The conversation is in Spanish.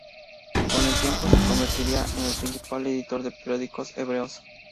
Con el tiempo se convertiría en el principal editor de periódicos hebreos.